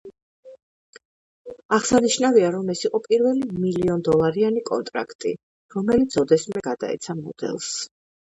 აღსანიშნავია, რომ ეს იყო პირველი მილიონდოლარიანი კონტრაქტი, რომელიც ოდესმე გადაეცა მოდელს.